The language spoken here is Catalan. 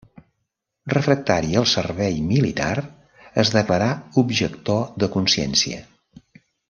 Refractari al servei militar, es declarà objector de consciència.